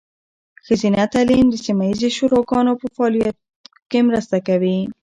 ښځینه تعلیم د سیمه ایزې شوراګانو په فعالتیا کې مرسته کوي.